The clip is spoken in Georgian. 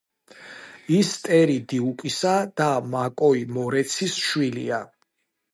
ის ტერი დიუკისა და მაკოი მორეცის შვილია.